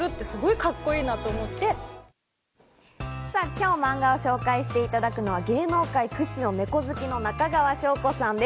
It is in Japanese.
今日、マンガを紹介していただくのは芸能界屈指のネコ好きの中川翔子さんです。